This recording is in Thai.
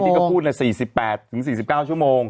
ที่เขาพูดเนี่ย๔๘ถึง๔๙ชั่วโมง